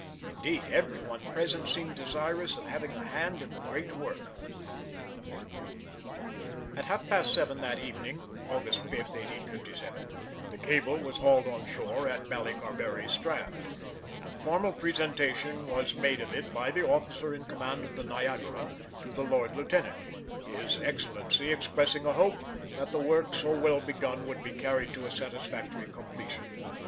Indeed, every one present seemed desirous of having a hand in the great work." At half past seven that evening (August 5, 1857) the cable was hauled on shore at Ballycarberry Strand, and formal presentation was made of it by the officer in command of the Niagara to the Lord Lieutenant, his Excellency expressing a hope that the work so well begun would be carried to a satisfactory completion.